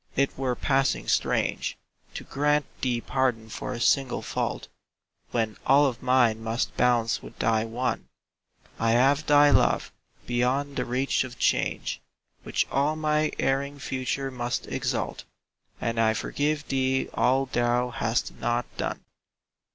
It were passing strange To grant thee pardon for a single fault When all of mine must balance with thy one; I have thy love, beyond the reach of change, Which all my erring future must exalt — And I forgive thee all thou hast not done.